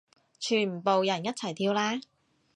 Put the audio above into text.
全部人一齊跳啦